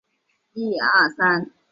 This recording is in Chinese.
但日军会暗地殴打战俘。